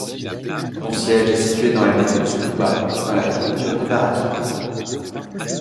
Son siège est situé dans la ville de Tsukuba dans la préfecture d'Ibaraki.